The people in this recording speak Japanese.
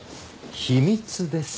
秘密です。